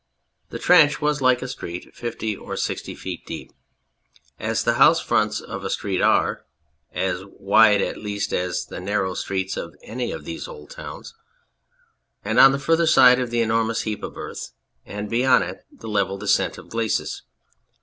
The trench was like a street fifty feet or sixty feet deep, as the house fronts of a street are, as wide at least as the narrow streets of any of these old towns, and on the further side the enormous heap of earth, and beyond it the level descent of the glacis.